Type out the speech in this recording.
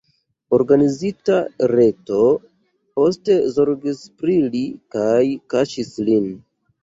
Organizita reto poste zorgis pri li kaj kaŝis lin.